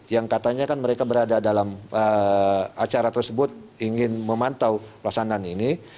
yang katanya kan mereka berada dalam acara tersebut ingin memantau pelaksanaan ini